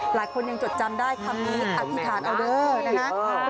หลายคนยังจดจำได้คำนี้อธิษฐานเอาเด้อนะฮะ